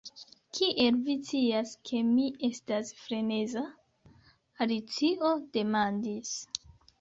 "Kiel vi scias ke mi estas freneza?" Alicio demandis.